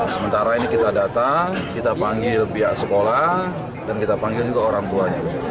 sementara ini kita data kita panggil pihak sekolah dan kita panggil juga orang tuanya